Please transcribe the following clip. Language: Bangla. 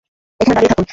এখানে দাঁড়িয়ে থাকুন।